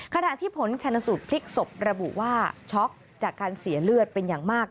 ขณะที่ผลชนสูตรพลิกศพระบุว่าช็อกจากการเสียเลือดเป็นอย่างมาก